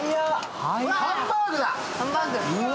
ハンバーグだ。